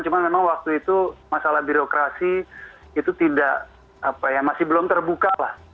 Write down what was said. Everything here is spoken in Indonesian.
cuma memang waktu itu masalah birokrasi itu tidak masih belum terbuka lah